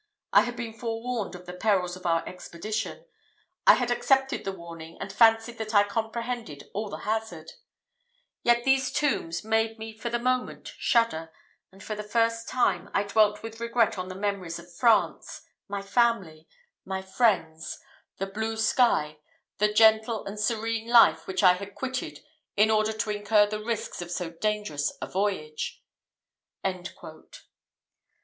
I had been forewarned of the perils of our expedition. I had accepted the warning and fancied that I comprehended all the hazard; yet these tombs made me for the moment shudder, and for the first time I dwelt with regret on the memories of France, my family, my friends, the blue sky, the gentle and serene life which I had quitted in order to incur the risks of so dangerous a voyage."